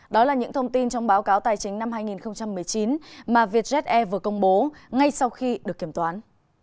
đó là những thông tin trong báo cáo tài chính năm hai nghìn một mươi chín mà vietjet air vừa công bố ngay sau khi được kiểm toán